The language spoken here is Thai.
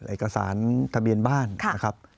เอกสารทะเบียนบ้านนะครับ